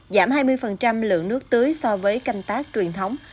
giảm hai mươi lượng nước tưới so với canh tác truyền thống